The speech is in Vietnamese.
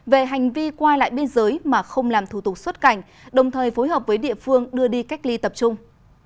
về hành vi qua lại biên giới mà không làm thủ tục xuất cảnh đồng thời phối hợp với địa phương đưa đi cách ly tập trung